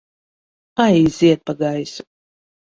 Aiziet pa gaisu!